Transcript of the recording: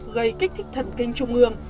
gây kích thích thần kinh trung ương